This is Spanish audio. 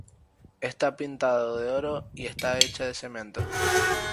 Está pintado de oro y esta hecha de cemento.